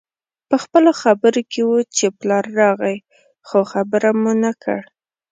پخپلو خبرو کې وو چې پلار راغی خو خبر مو نه کړ